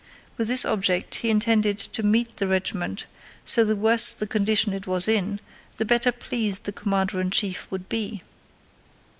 With this object he intended to meet the regiment; so the worse the condition it was in, the better pleased the commander in chief would be.